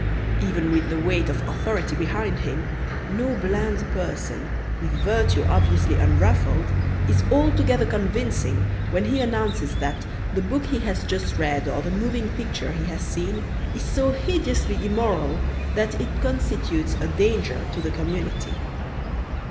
Even with the weight of authority behind him no bland person, with virtue obviously unruffled, is altogether convincing when he announces that the book he has just read or the moving picture he has seen is so hideously immoral that it constitutes a danger to the community.